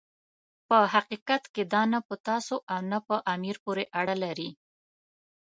په حقیقت کې دا نه په تاسو او نه په امیر پورې اړه لري.